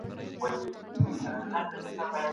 ته باید د رسا صاحب شعرونه په دقت واورې.